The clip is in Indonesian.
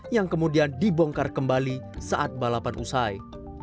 yang kemudian dibongkar kembali saat balapan usai